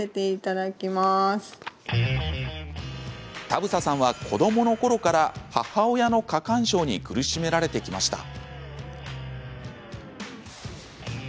田房さんは、子どものころから母親の過干渉に苦しめられてきました。